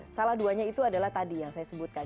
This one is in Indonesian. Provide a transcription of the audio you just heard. salah duanya itu adalah tadi yang saya sebutkan